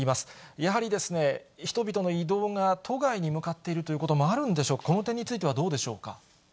やはり、人々の移動が都外に向かっているということもあるんでしょうか、この点についてはどうでしょうか。